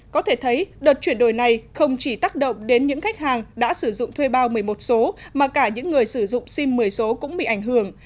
có thể thấy đợt chuyển đổi này không chỉ tác động đến những khách hàng đã sử dụng thuê bao một mươi một số mà cả những người sử dụng sim một mươi số cũng bị ảnh hưởng